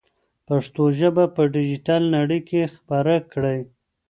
پښتو ژبه په ډیجیټل نړۍ کې خپره کړئ.